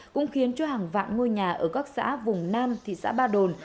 cũng khiến cho hàng vạn ngôi nhà ở các xã vùng nam thị xã ba đồn